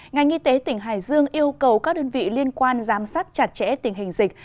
ngành y tế tỉnh hải dương yêu cầu các đơn vị liên quan giám sát chặt chẽ tình hình dịch